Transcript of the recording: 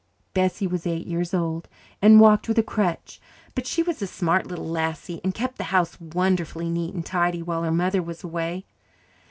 Bessie was eight years old and walked with a crutch, but she was a smart little lassie and kept the house wonderfully neat and tidy while her mother was away.